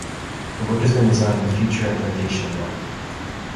The work has been designed with future implantation in mind.